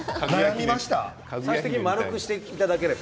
最終的に丸くしてもらえれば。